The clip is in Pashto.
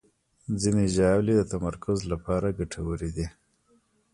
ځینې ژاولې د تمرکز لپاره ګټورې دي.